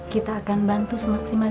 kita akan bantu semaksimal